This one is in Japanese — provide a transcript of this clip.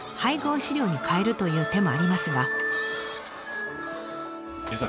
飼料に変えるという手もありますが。